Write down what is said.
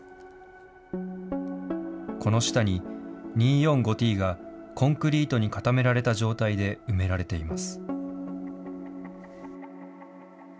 この下に２，４，５ーＴがコンクリートに固められた状態で埋められています。